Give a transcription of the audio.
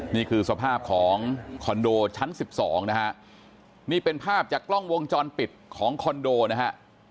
นี่คือสภาพของคอนโดชั้น๑๒นะฮะนี่เป็นภาพจากกล้องวงจรปิดของคอนโดนะฮะ